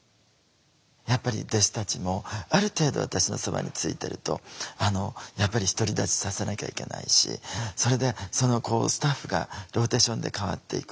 やっぱり弟子たちもある程度私のそばについてるとやっぱり独り立ちさせなきゃいけないしそれでスタッフがローテーションで替わっていく。